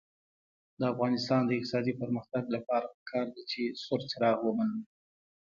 د افغانستان د اقتصادي پرمختګ لپاره پکار ده چې سور څراغ ومنو.